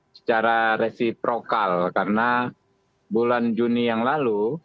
secara resiprokal karena bulan juni yang lalu